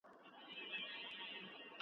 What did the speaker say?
سپین رنګ په موټر کې ډېر ښکلی ښکاري.